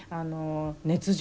「熱情」